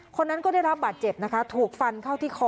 คนนั้นก็ได้รับบาดเจ็บนะคะถูกฟันเข้าที่คอ